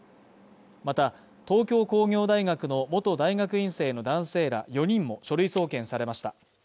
また、東京工業大学の元大学院生の男性ら４人も書類送検されました。